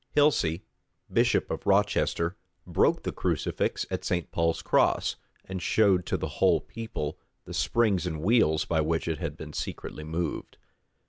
Hilsey, bishop of Rochester, broke the crucifix at St. Paul's Cross, and showed to the whole people the springs and wheels by which it had been secretly moved.